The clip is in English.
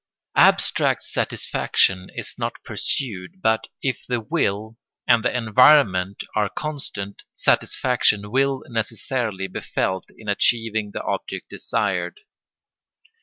Abstract satisfaction is not pursued, but, if the will and the environment are constant, satisfaction will necessarily be felt in achieving the object desired.